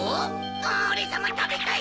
オレさまたべたい！